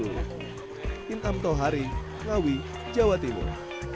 hamtohari ngawi jawa timur